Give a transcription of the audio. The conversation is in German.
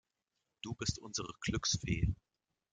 Du bist unsere Glücksfee.